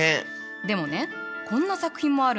でもねこんな作品もあるのよ。